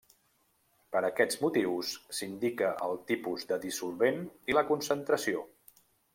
Per aquests motius s'indica el tipus de dissolvent i la concentració.